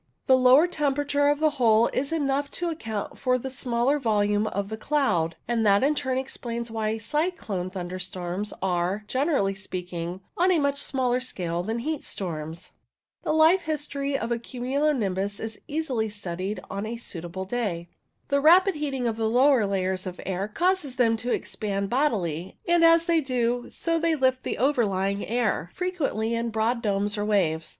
The lower temperature of the whole is enough to account for the smaller volume of the cloud, and that in turn explains why cyclone thunderstorms are, generally speaking, on a much smaller scale than heat storms. The life history of a cumulo nimbus is easily studied on a suitable day. The rapid heating of o CO a D o 1 O a ui a z 1 THUNDER WEATHER 109 the lower layers of air causes them to expand bodily, and as they do so they lift the overlying air, frequently in broad domes or waves.